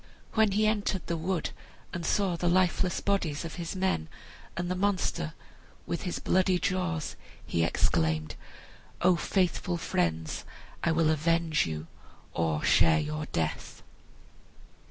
When he entered the wood, and saw the lifeless bodies of his men, and the monster with his bloody jaws, he exclaimed, "O faithful friends, I will avenge you, or share your death."